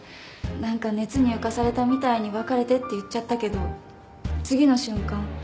何か熱に浮かされたみたいに別れてって言っちゃったけど次の瞬間